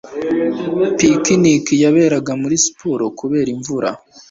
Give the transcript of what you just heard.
picnic yaberaga muri siporo kubera imvura